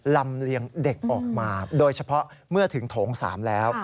ลำเลียงเด็กออกมาโดยเฉพาะเมื่อถึงโถง๓แล้ว